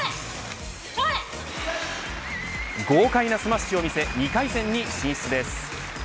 豪快なスマッシュを見せ２回戦に進出です。